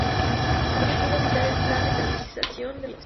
Sin embargo no pudo evitar el plan de esterilización de los mismos.